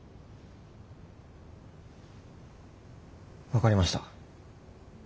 分かりました。